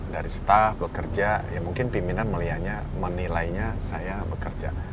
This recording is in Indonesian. dari staff bekerja ya mungkin pimpinan melihatnya menilainya saya bekerja